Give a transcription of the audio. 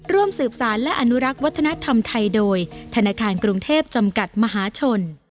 ร่วมสืบสารและอนุรักษ์วัฒนธรรมไทยโดยธนาคารกรุงเทพจำกัดมหาชน